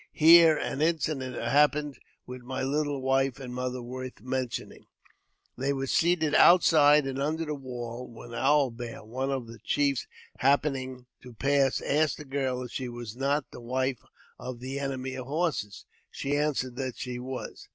Here an incident happened with my little wife and mother worth mentioning. They were seated outside, and under the wall, when Owl Bear, one of the chiefs, happening to pass, asked the girl if she was not the wife of the Enemy of Horses. She answered that she was.